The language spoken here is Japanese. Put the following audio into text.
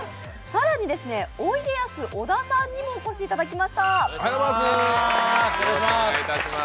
更に、おいでやす小田さんにもお越しいただきました。